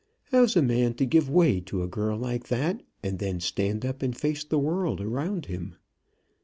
How's a man to give way to a girl like that, and then stand up and face the world around him?